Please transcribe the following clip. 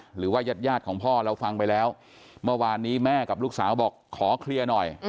หรือว่ายาดของพ่อเราฟังไปแล้วเมื่อวานนี้แม่กับลูกสาวบอกขอเคลียร์หน่อย